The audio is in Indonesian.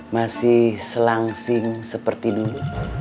masih selangsing seperti dulu